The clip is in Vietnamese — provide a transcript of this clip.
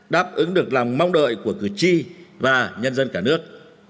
đáp ứng được lòng mong đợi của cử tri và nhân dân cả nước